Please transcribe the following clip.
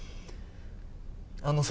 あのさ。